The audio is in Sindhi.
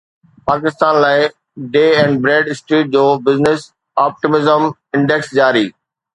پاڪستان لاءِ ڊن اينڊ بريڊ اسٽريٽ جو بزنس آپٽيمزم انڊيڪس جاري